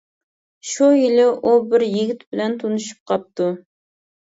شۇ يىلى ئۇ بىر يىگىت بىلەن تونۇشۇپ قاپتۇ.